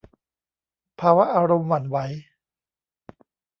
ภาวะอารมณ์หวั่นไหว